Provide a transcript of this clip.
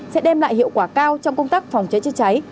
sẽ đem lại hiệu quả cao trong công tác phòng cháy chữa cháy